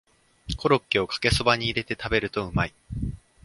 コロッケをかけそばに入れて食べるとうまい